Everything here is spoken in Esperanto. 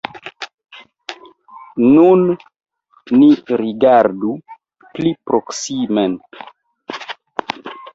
Nun ni rigardu pli proksimen.